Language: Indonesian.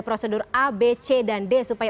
prosedur a b c dan d supaya